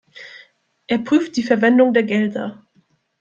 Er prüft die Verwendung der Gelder.